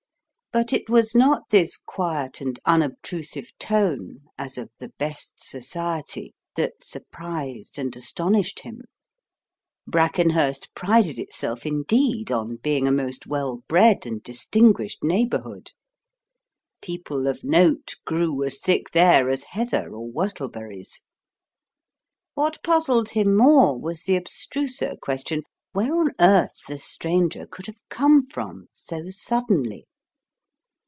But it was not this quiet and unobtrusive tone, as of the Best Society, that surprised and astonished him; Brackenhurst prided itself, indeed, on being a most well bred and distinguished neighbourhood; people of note grew as thick there as heather or whortleberries. What puzzled him more was the abstruser question, where on earth the stranger could have come from so suddenly.